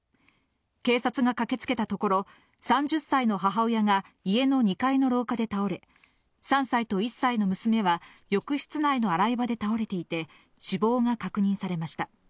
警察が駆けつけたところ、３０歳の母親が家の２階の廊下で倒れ、３歳と１歳の娘は、浴室内の洗い場で倒れていて、死亡が確認されました。